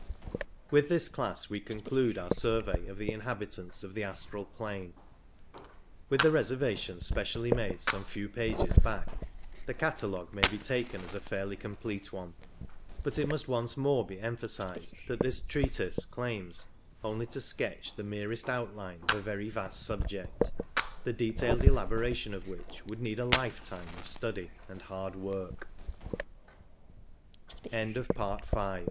With this class we conclude our survey of the inhabitants of the astral plane. With the reservations specially made some few pages back, the catalogue may be taken as a fairly complete one ; but it must once more be emphasized that this treatise claims only to sketch the merest outline of a very vast subject, the detailed elaboration of which would need a lifetime of study an